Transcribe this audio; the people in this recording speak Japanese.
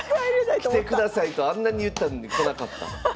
来てくださいとあんなに言ったのに来なかった。